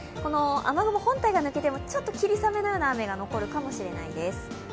雨雲本体が抜けてもちょっと霧雨のような雨が残るかもしれないです。